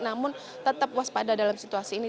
namun tetap waspada dalam situasi ini